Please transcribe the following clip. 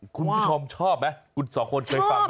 คุณผู้ชมชอบไหมคุณสองคนเคยฟังไหม